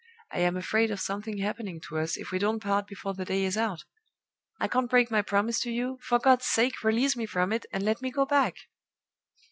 I am afraid of something happening to us, if we don't part before the day is out. I can't break my promise to you; for God's sake, release me from it, and let me go back!"